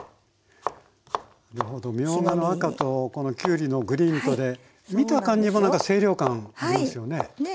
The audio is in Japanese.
みょうがの赤とこのきゅうりのグリーンとで見た感じもなんか清涼感ありますよね。